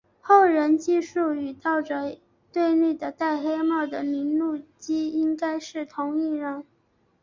后人记述与盗贼对立的戴黑帽的铃鹿姬应该是同一人。